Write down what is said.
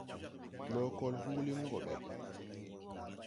Blo kol huulin go ɓɛ.